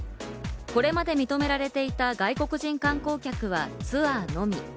これまで認められていた外国人観光客はツアーのみ。